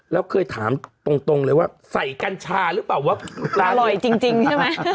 แล้วเคยถามตรงเลยว่าใส่กัญชาหรือเปล่าว่าอร่อยจริงใช่ไหม